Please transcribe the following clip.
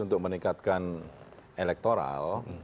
untuk meningkatkan elektoral